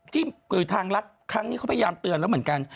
ที่ทางรัฐครั้งนี้เขาพยายามเตือนแล้วเหมือนกัน